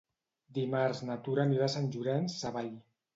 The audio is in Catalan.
Dimarts na Tura anirà a Sant Llorenç Savall.